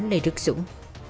lê đức dũng